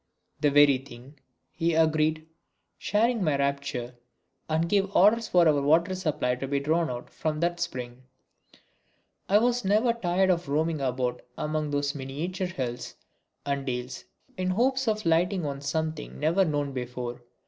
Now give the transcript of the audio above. "The very thing," he agreed, sharing my rapture, and gave orders for our water supply to be drawn from that spring. I was never tired of roaming about among those miniature hills and dales in hopes of lighting on something never known before.